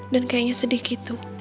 dan kayaknya sedih gitu